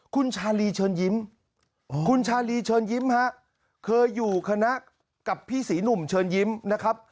คุณชาลีเชิญยิ้มคุณชาลีเชิญยิ้มฮะเคยอยู่คณะกับพี่ศรีหนุ่มเชิญยิ้มนะครับ